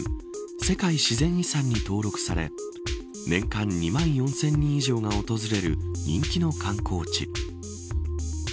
世界自然遺産に登録され年間２万４０００人以上が訪れる人気の観光地。